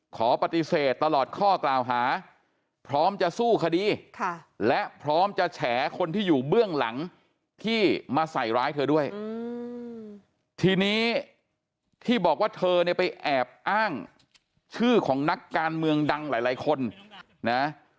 ขอปฏิเสธตลอดข้อกล่าวหาพร้อมจะสู้คดีและพร้อมจะแฉคนที่อยู่เบื้องหลังที่มาใส่ร้ายเธอด้วยทีนี้ที่บอกว่าเธอเนี่ยไปแอบอ้างชื่อของนักการเมืองดังหลายคนนะ